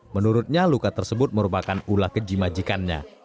menurutnya luka tersebut merupakan ulah keji majikannya